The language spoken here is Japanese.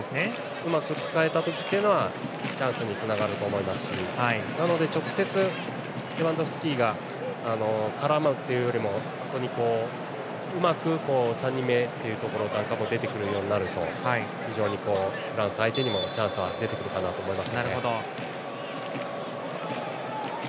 うまく使えた時というのはチャンスにつながると思いますしなので直接、レバンドフスキが絡むというよりうまく３人目というところも出てくるようになると非常にフランス相手にもチャンスが出てくると思います。